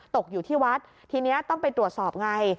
ตกอยู่ที่วัดทีนี้ต้องไปตรวจสอบไง